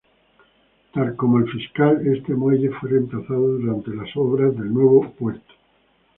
Tal como el Fiscal, este muelle fue reemplazado durante las obras del nuevo puerto.